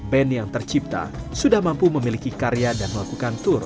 band yang tercipta sudah mampu memiliki karya dan melakukan tour